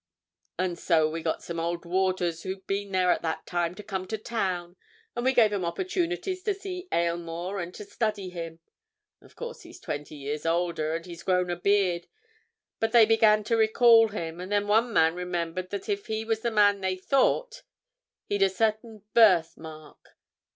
And so, we got some old warders who'd been there at that time to come to town, and we gave 'em opportunities to see Aylmore and to study him. Of course, he's twenty years older, and he's grown a beard, but they began to recall him, and then one man remembered that if he was the man they thought he'd a certain birth mark.